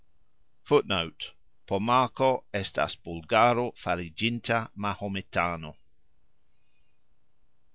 [Footnote: "Pomako" estas bulgaro farigxinta mahometano.